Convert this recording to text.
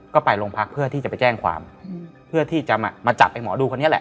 ก็ไปโรงพักเพื่อที่จะไปแจ้งความเพื่อที่จะมาจับไอหมอดูคนนี้แหละ